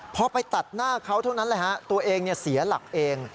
พอไปตัดหน้าเขาเท่านั้นแหละฮะตัวเองเสียหลักเอง